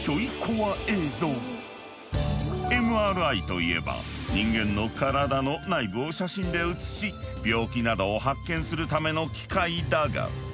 ＭＲＩといえば人間の体の内部を写真で映し病気などを発見するための機械だが。